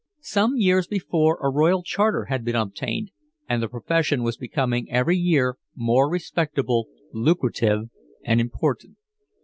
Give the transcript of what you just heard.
Some years before a Royal Charter had been obtained, and the profession was becoming every year more respectable, lucrative, and important.